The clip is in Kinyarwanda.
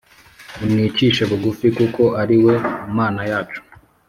Nimwicishe bugufi kuko ariwe mana yacu